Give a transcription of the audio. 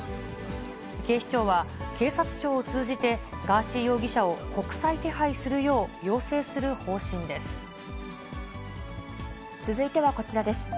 警視庁は、警察庁を通じてガーシー容疑者を国際手配するよう要請する方針で続いてはこちらです。